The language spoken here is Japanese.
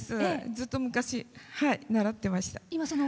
ずっと昔、習ってました。